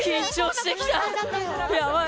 やばい！